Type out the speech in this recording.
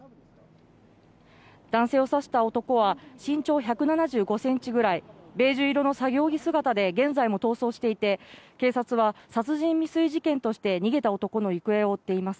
男性を刺した男は身長１７５センチくらい、ベージュ色の作業着姿で、現在も逃走していて、警察は殺人未遂事件として逃げた男の行方を追っています。